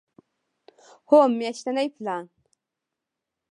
هو، میاشتنی پلان